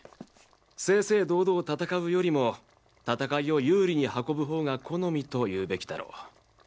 正々堂々闘うよりも闘いを有利に運ぶほうが好みと言うべきだろう。